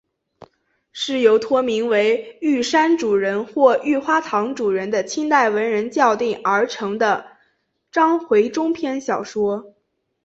是由托名为玉山主人或玉花堂主人的清代文人校订而成的章回中篇小说。